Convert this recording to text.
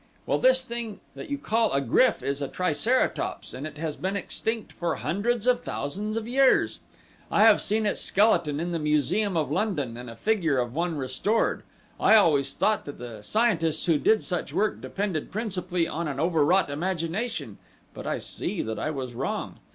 Well this thing that you call a GRYF is a triceratops and it has been extinct for hundreds of thousands of years. I have seen its skeleton in the museum in London and a figure of one restored. I always thought that the scientists who did such work depended principally upon an overwrought imagination, but I see that I was wrong.